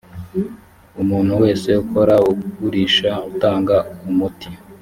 umuntu wese ukora ugurisha utanga umuti